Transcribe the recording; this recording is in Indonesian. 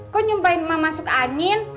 kok nyumpain emang masuk angin